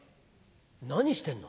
何してんの？